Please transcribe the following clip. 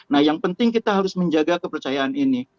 nah yang penting kita harus menjaga kepercayaan ini